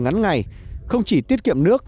ngắn ngày không chỉ tiết kiệm nước